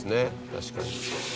確かに。